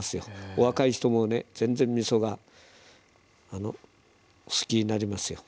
お若い人もね全然みそが好きになりますよ。